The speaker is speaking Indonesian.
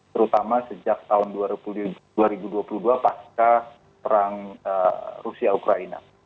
terutama sejak tahun dua ribu dua puluh dua pasca perang rusia ukraina